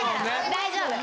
大丈夫。